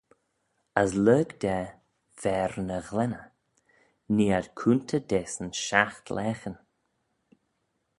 As lurg da v'er ny ghlenney, nee ad coontey dasyn shiaght laghyn.